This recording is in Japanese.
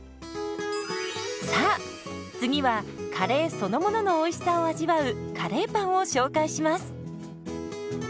さあ次はカレーそのもののおいしさを味わうカレーパンを紹介します。